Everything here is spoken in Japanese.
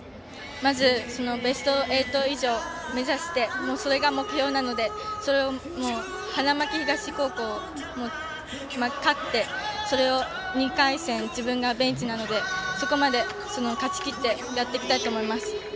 まずベスト８以上を目指してそれが目標なので花巻東高校、勝って２回戦、自分がベンチなのでそこまで勝ちきってやっていきたいと思います。